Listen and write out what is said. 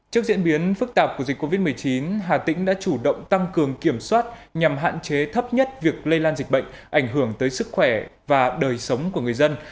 trước diễn biến phức tạp của dịch covid một mươi chín hà tĩnh đã chủ động tăng cường kiểm soát nhằm hạn chế thấp nhất việc lây lan dịch bệnh ảnh hưởng tới sức khỏe và đời sống của người dân